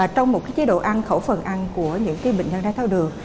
trong một chế độ ăn khẩu phần ăn của những bệnh nhân đai tháo đường